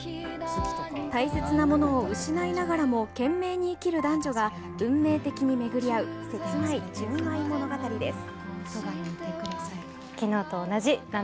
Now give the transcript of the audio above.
大切なものを失いながらも懸命に生きる男女が運命的に巡り会う切ない純愛物語です。